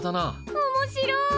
おもしろい！